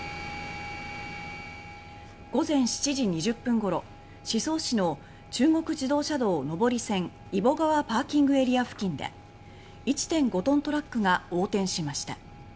午前７時２０分ごろ宍粟市の中国自動車道上り線揖保川ＰＡ付近で１．５トントラックが横転しました。